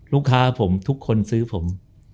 ลูกค้าผมทุกคนซื้อผม